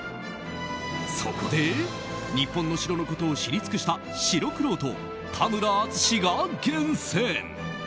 そこで日本の城のことを知り尽くした城くろうと、田村淳が厳選！